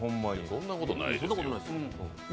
そんなことないですよ。